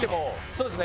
そうですね